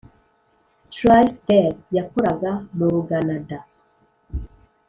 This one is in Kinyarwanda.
trysdale yakoraga muruganada